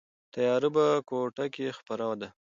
تیاره په کوټه کې خپره ده.